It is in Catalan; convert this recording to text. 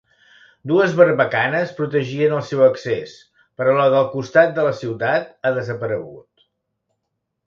Dues barbacanes protegien el seu accés, però la del costat de la ciutat ha desaparegut.